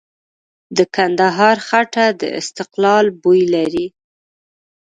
د کندهار خټه د استقلال بوی لري.